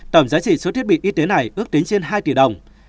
tổng giá trị số thiết bị y tế này ước tính trên hai tỷ đồng